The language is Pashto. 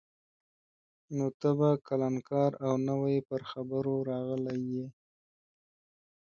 نو ته به کلنکار او نوی پر خبرو راغلی یې.